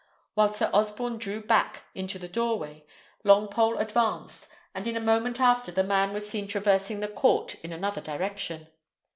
While Sir Osborne drew back into the doorway, Longpole advanced, and in a moment after the man was seen traversing the court in another direction.